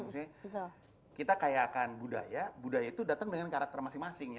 maksudnya kita kaya akan budaya budaya itu datang dengan karakter masing masing